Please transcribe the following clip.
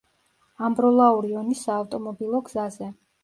ამბროლაური–ონის საავტომობილო გზაზე.